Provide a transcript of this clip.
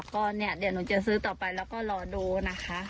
ก็เนี่ยเดี๋ยวหนูจะซื้อต่อไปแล้วก็รอดูนะคะ